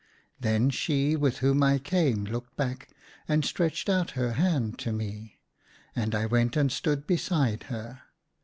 Then she, with whom I came, looked back, and stretched out her hand to me ; and I went and stood beside her.